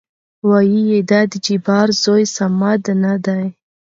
ويېېې دا د جبار زوى صمد نه دى ؟